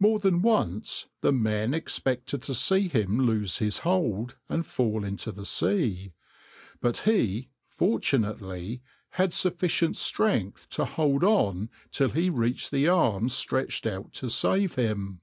More than once the men expected to see him lose his hold and fall into the sea, but he, fortunately, had sufficient strength to hold on till he reached the arms stretched out to save him.